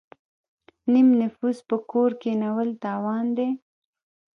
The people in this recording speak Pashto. نیم نفوس په کور کینول تاوان دی.